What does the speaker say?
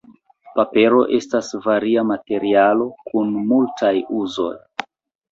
Papero estas varia materialo kun multaj uzoj.